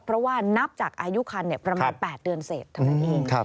เพราะว่านับจากอายุคันประมาณ๘เดือนเสร็จเท่านั้นเอง